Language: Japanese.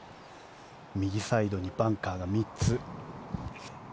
右サイドにバンカーが３つ。